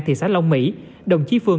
thị xã long mỹ đồng chí phương